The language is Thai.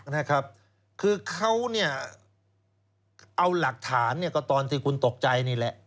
นะครับคือเขาเนี่ยเอาหลักฐานเนี่ยก็ตอนที่คุณตกใจนี่แหละ